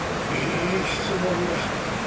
いい質問だ。